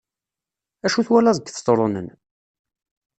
Acu twalaḍ deg Ibetṛunen?